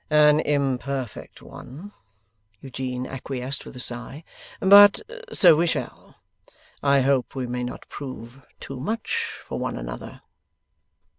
'An imperfect one,' Eugene acquiesced, with a sigh, 'but so we shall. I hope we may not prove too much for one another.